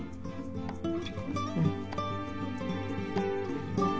うん。